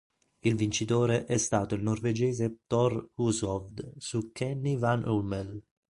Il vincitore è stato il norvegese Thor Hushovd su Kenny van Hummel.